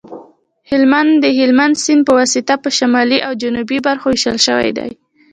هلمند د هلمند سیند په واسطه په شمالي او جنوبي برخو ویشل شوی دی